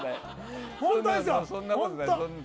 そんなことない。